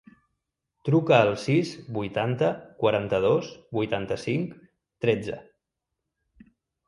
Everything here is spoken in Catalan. Truca al sis, vuitanta, quaranta-dos, vuitanta-cinc, tretze.